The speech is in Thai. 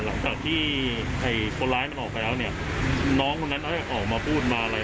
หลังจากที่คนร้ายออกไปแล้วเนี่ยน้องคนนั้นเขาจะออกมาพูดมาอะไร